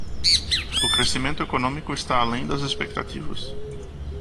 O crescimento econômico está além das expectativas